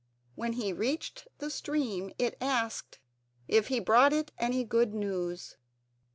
When he reached the stream it asked if he brought it any good news.